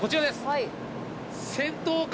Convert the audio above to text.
はい。